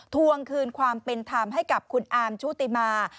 ทวงคืนความเป็นธรรมให้กับคุณอาร์มชุติมา